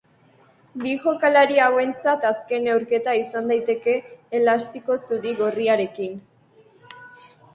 Bi jokalari hauentzat azken neurketa izan daiteke elastiko zuri-gorriarekin.